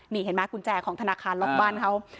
นี่เห็นไหมกุญแจของธนาคารล็อกบ้านเขา